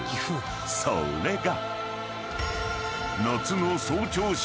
［それが］